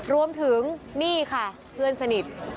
รวมถึงนี่ค่ะเพื่อนสนิท